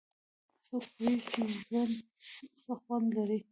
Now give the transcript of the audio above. څوک پوهیږي چې ژوند څه خوند لري